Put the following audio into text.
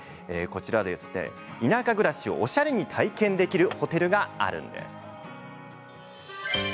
こちら田舎暮らしをおしゃれに体験できるホテルがあるんです。